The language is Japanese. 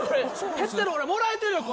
減ってる俺もらえてるよ。